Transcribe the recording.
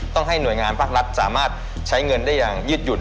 ให้หน่วยงานภาครัฐสามารถใช้เงินได้อย่างยืดหยุ่น